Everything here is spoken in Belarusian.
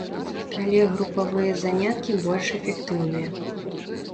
Але групавыя заняткі больш эфектыўныя.